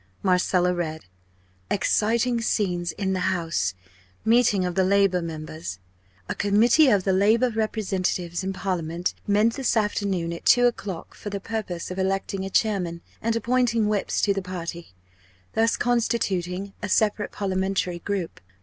Marcella read: "EXCITING SCENES IN THE HOUSE. MEETING OF THE LABOUR MEMBERS. A committee of the Labour representatives in Parliament met this afternoon at 2 o'clock for the purpose of electing a chairman, and appointing whips to the party, thus constituting a separate parliamentary group.